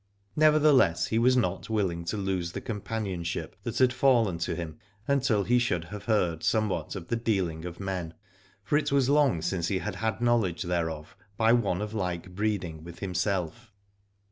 Nevertheless he was not willing to lose the companionship that had fallen to him until he should have heard somewhat of the dealing of men, for it was long since he had had knowledge thereof by one of like breeding with himself.